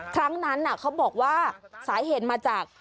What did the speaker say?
ครั้งนั้นเขาบอกว่าสาเหตุมาจาก